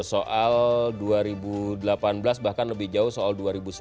soal dua ribu delapan belas bahkan lebih jauh soal dua ribu sembilan belas